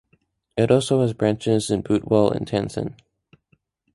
It also has branches in Butwal and Tansen.